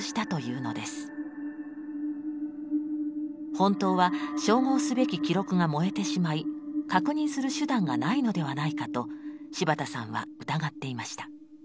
本当は照合すべき記録が燃えてしまい確認する手段がないのではないかと柴田さんは疑っていました。